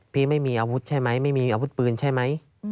พี่ไม่มีอาวุธใช่ไหมไม่มีอาวุธปืนใช่ไหม